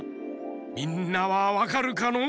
みんなはわかるかのう？